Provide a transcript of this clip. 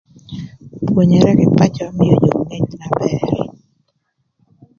Pwonyere kï pacö ömïö jö ngec na bër.